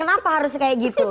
kenapa harusnya kayak gitu